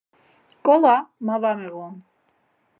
Nǩila ma va miğun.